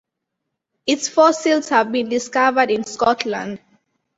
Its fossils have been discovered in Scotland.